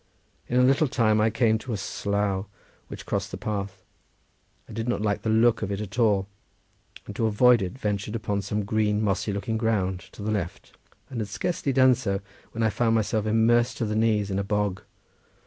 In a little time I came to a slough which crossed the path. I did not like the look of it at all; and to avoid it ventured upon some green mossy looking ground to the left, and had scarcely done so when I found myself immersed to the knees in a bog.